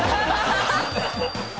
ハハハハ！